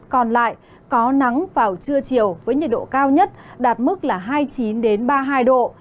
còn lại có nắng vào trưa chiều với nhiệt độ cao nhất đạt mức là hai mươi chín ba mươi hai độ